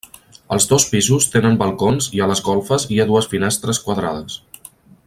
Els dos pisos tenen balcons i a les golfes hi ha dues finestres quadrades.